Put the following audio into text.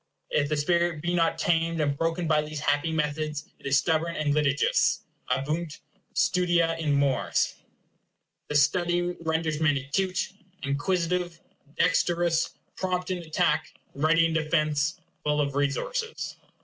If the spirit be not tamed and broken by these happy methods, it is stubborn and litigious. Abeunt studia in mores. This study readers men acute, inquisitive, dexterous, prompt in attack, ready in defence, full of resources.